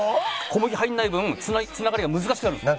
小麦入んない分繋がりが難しくなるんです。